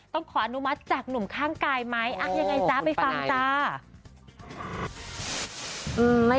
ขออนุมัติจากหนุ่มข้างกายไหมยังไงจ๊ะไปฟังจ้า